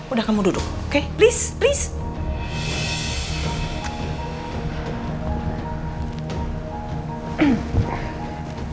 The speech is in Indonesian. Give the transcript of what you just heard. udah kamu duduk oke please lease